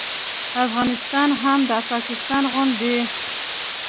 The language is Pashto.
افغانستان هم د پاکستان غوندې